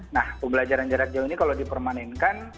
nah pembelajaran jarak jauh ini kalau dipermanenkan